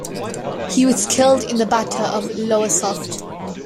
He was killed in the Battle of Lowestoft.